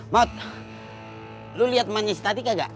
mat lu liat manis tadi kagak